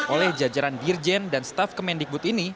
oleh jajaran dirjen dan staf kemendikbud ini